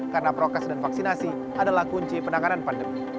karena prokese dan vaksinasi adalah kunci penanganan pandemi